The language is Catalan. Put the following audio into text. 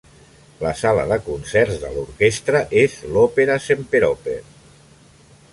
La sala de concerts de l'orquestra és l'òpera Semperoper.